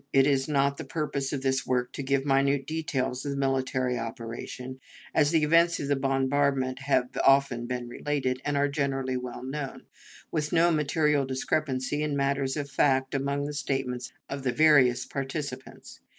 It is not the purpose of this work to give minute details of the military operation, as the events of the bombardment have been often related, and are generally well known, with no material discrepancy in matters of fact among the statements of the various participants.